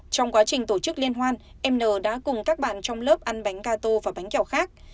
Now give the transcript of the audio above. trong quá trình tổ chức liên hoàn em n đã cùng các bạn trong lớp ăn bánh gà tô và bánh kẹo khác